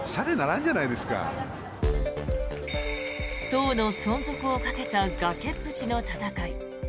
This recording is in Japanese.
党の存続をかけた崖っぷちの戦い。